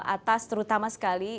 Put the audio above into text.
atas terutama sekali